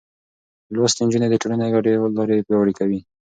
لوستې نجونې د ټولنې ګډې لارې پياوړې کوي.